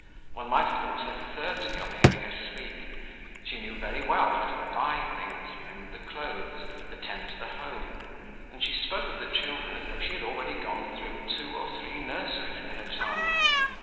One might have thought her thirty on hearing her speak. She knew very well how to buy things, mend the clothes, attend to the home, and she spoke of the children as though she had already gone through two or three nurseries in her time.